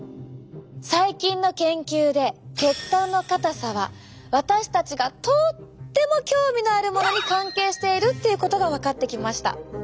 最近の研究で血管の硬さは私たちがとっても興味のあるものに関係しているっていうことが分かってきました。